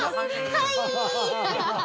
◆はい。